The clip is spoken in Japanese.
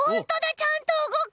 ちゃんとうごく！